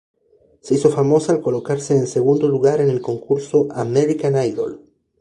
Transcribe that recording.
Se hizo famosa al colocarse en segundo lugar en el concurso "American Idol".